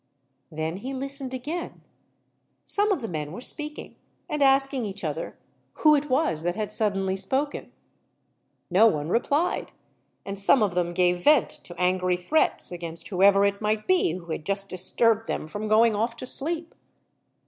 Then he listened again. Some of the men were speaking, and asking each other who it was that had suddenly spoken. No one replied; and some of them gave vent to angry threats, against whoever it might be who had just disturbed them from going off to sleep.